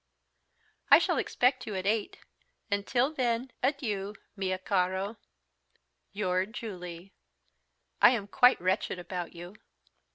I shall expect you at eight, until when, adieu, mio caro, "Your JULIE. "I am quite wretched about you."